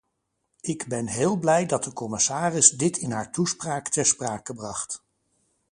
Ik ben heel blij dat de commissaris dit in haar toespraak ter sprake bracht.